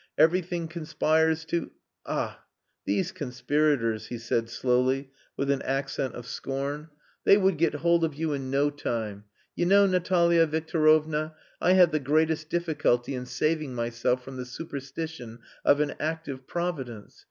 Everything conspires to...Ah! these conspirators," he said slowly, with an accent of scorn; "they would get hold of you in no time! You know, Natalia Victorovna, I have the greatest difficulty in saving myself from the superstition of an active Providence.